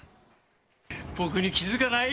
僕に気づかない？